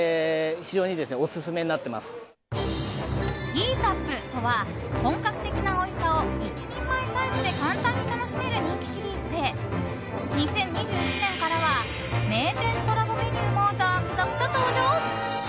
ＥＡＳＥＵＰとは本格的なおいしさを１人前サイズで簡単に楽しめる人気シリーズで２０２１年からは名店コラボメニューも続々と登場。